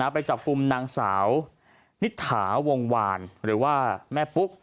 ไปจับกุมหนังสาวณิษฐาวงวาลหรือว่าแม่ปุ๊ก